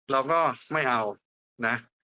เราก็ไม่เอานะ